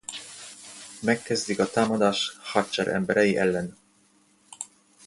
Megkezdik a támadást Hatcher emberei ellen.